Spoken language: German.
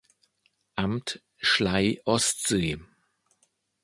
Amt Schlei-Ostsee